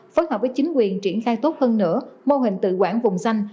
phối hợp với chính quyền triển khai tốt hơn nữa mô hình tự quản vùng xanh